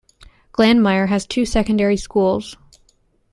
Glanmire has two secondary schools.